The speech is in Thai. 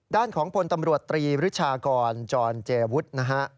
ด้านของพลตำรวจตรีริชากรจรเจวุฒินะฮะ